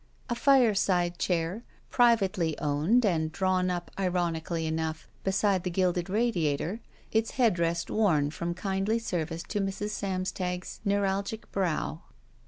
A fireside chair, privately owned and drawn up, ironically enough, beside the gilded radiator, its headrest worn from kindly SCTvice to Mrs. Samstag's neuralgic brow.